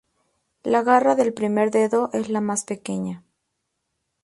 La garra del primer dedo es la más pequeña.